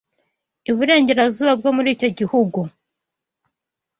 Iburengerazuba bwo muri icyo gihugu